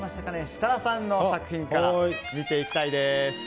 設楽さんの作品から見ていきましょう。